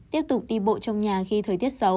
tiếp tục đi bộ trong nhà khi thời tiết xấu